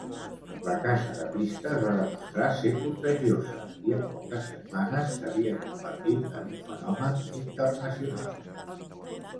La caça de pistes va demostrar ser contagiosa i, en poques setmanes, s'havia convertit en un fenomen internacional.